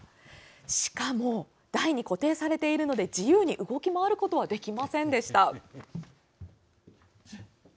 しかも台に固定されているので自由に動き回ることはできませんでした。